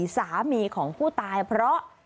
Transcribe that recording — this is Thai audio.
สามีของผู้ตายเพราะ